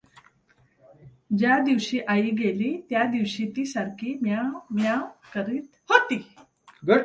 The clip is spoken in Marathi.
ज्या दिवशी आई गेली, त्या दिवशी ती सारखी म्यांव म्यांव करीत होती.